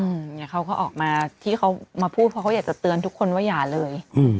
เนี่ยเขาก็ออกมาที่เขามาพูดเพราะเขาอยากจะเตือนทุกคนว่าอย่าเลยอืม